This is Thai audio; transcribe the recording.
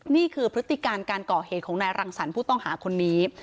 พฤติการการก่อเหตุของนายรังสรรค์ผู้ต้องหาคนนี้